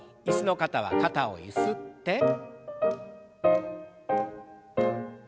椅子の方は肩をゆすって。